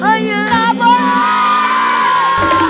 suara apaan ya